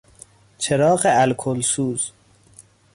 چراغ الکلسوز